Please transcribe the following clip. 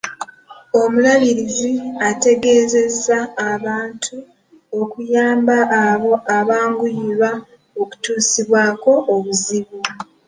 Omulabirizi ategeezezza abantu okuyamba abo abanguyirwa okutuusibwako obuzibu .